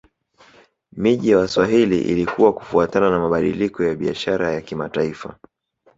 Miji ya Waswahili ilikua kufuatana na mabadiliko ya biashara ya kimataifa